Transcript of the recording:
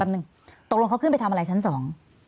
หนึ่งตกลงเขาขึ้นไปทำอะไรชั้นสอง